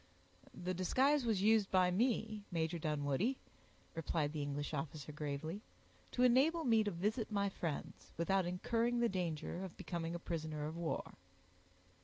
"The disguise was used by me, Major Dunwoodie," replied the English officer, gravely, "to enable me to visit my friends, without incurring the danger of becoming a prisoner of war."